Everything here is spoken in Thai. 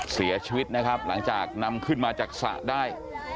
เสียชีวิตนะครับหลังจากนำขึ้นมาจากสระได้